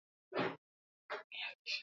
Korona ni ugonjwa wa hatari